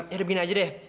ya udah begini aja deh